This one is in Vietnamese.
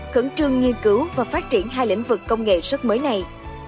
khẩn trương nghiên cứu và phát triển hai lĩnh vực công nghệ rất mới này